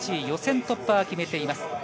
予選突破は決めています。